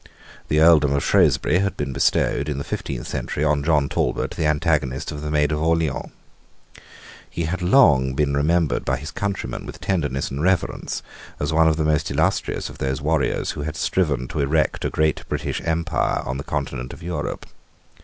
The earldom of Shrewsbury had been bestowed, in the fifteenth century, on John Talbot, the antagonist of the Maid of Orleans. He had been long remembered by his countrymen with tenderness and reverence as one of the most illustrious of those warriors who had striven to erect a great English empire on the Continent of Europe.